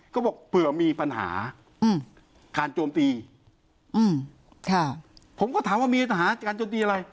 ก็บอกเผื่อมีปัญหาอืมการโจมตีอืมค่ะผมก็ถามว่ามีปัญหาการโจมตีอะไร